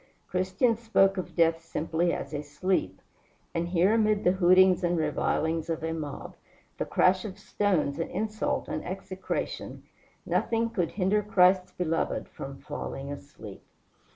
Christians spoke of death simply as a sleep. And here amid the hootings and revilings of a mob, the crash of stones and insult and execration, nothing could hinder Christ's beloved from falling asleep.